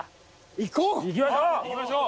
行こう！